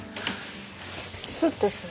スッとする。